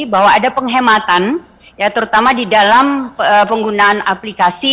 bahwa ada penghematan terutama di dalam penggunaan aplikasi